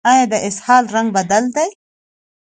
ایا د اسهال رنګ بدل دی؟